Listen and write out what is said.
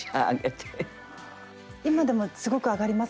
今でもすごく上がりますか？